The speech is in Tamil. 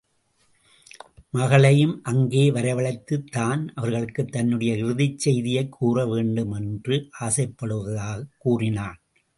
மகளையும் அங்கே வரவழைத்து, தான் அவர்களுக்குத் தன்னுடைய இறுதிச் செய்தியைக் கூற வேண்டுமென்று ஆசைப்படுவதாகக் கூறினான்.